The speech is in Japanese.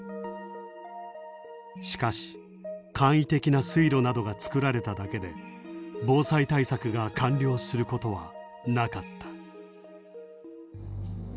しかし簡易的な水路などが造られただけで防災対策が完了することはなかった。